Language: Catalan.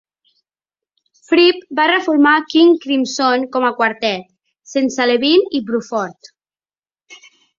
Fripp va reformar King Crimson com a quartet, sense Levin i Bruford.